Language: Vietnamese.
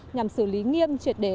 nhằm xử lý nghiêm truyệt đế